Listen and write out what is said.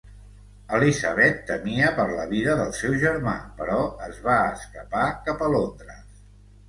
Elizabeth temia per la vida del seu germà, però es va escapar cap a Londres.